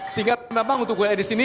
sehingga memang untuk gue disini